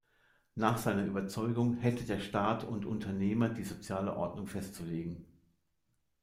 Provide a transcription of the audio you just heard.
Nach seiner Überzeugung hätte der Staat und Unternehmer die soziale Ordnung festzulegen.